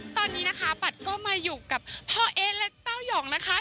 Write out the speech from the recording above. ตอนนี้นะคะปัดก็มาอยู่กับพ่อเอ๊ะและเต้ายองนะคะ